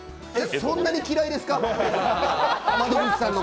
そんなに嫌いですか？